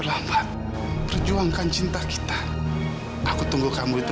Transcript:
rosti jangan tinggal di situ